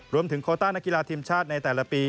รวมถึงโคต้นกีฬาทีมชาติในแต่ละปี